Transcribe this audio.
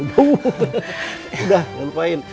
udah gak lupain